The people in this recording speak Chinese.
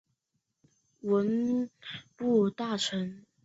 文部大臣。